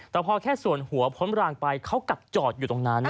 แต่พอแค่ส่วนหัวพ้นรางไปเขากลับจอดอยู่ตรงนั้น